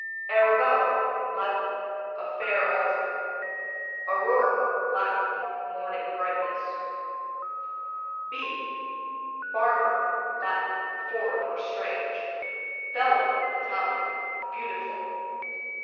Arabella, Latin, a fair altar. Aurora, Latin, morning brightness. B Barbara, Latin, foreign or strange. Bella, Italian, beautiful.